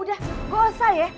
udah gak usah ya